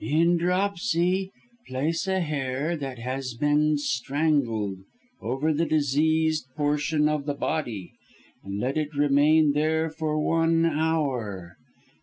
"In dropsy, place a hare, that has been strangled, over the diseased portion of the body, and let it remain there for one hour.